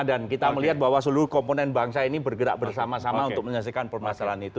dan kita melihat bahwa seluruh komponen bangsa ini bergerak bersama sama untuk menyaksikan permasalahan itu